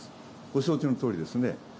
ご承知のとおりですね。